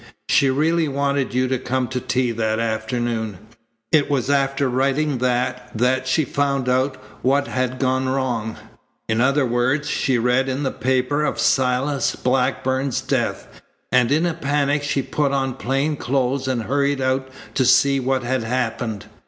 She really wanted you to come to tea that afternoon. It was after writing that that she found out what had gone wrong. In other words, she read in the paper of Silas Blackburn's death, and in a panic she put on plain clothes and hurried out to see what had happened.